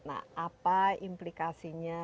nah apa implikasinya